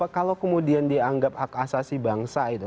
kalau kemudian dianggap hak asasi bangsa itu